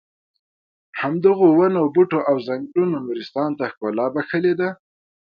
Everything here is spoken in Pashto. همدغو ونو بوټو او ځنګلونو نورستان ته ښکلا بښلې ده.